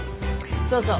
そうそう。